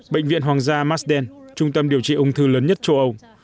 bệnh viện hoàng gia marsden trung tâm điều trị ung thư lớn nhất châu âu